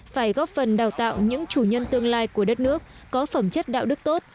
phải góp phần đào tạo những chủ nhân tương lai của đất nước có phẩm chất đạo đức tốt